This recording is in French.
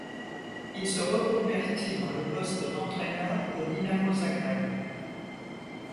Il se reconvertit dans le poste d'entraineur au Dinamo Zagreb.